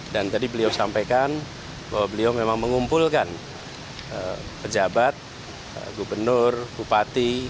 dan tadi beliau sampaikan bahwa beliau memang mengumpulkan pejabat gubernur bupati